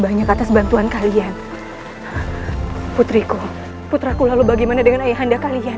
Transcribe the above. banyak atas bantuan kalian putriku putraku lalu bagaimana dengan ayah anda kalian